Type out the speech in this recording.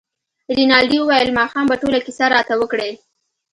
رینالډي وویل ماښام به ټوله کیسه راته وکړې.